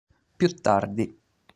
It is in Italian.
Più tardi.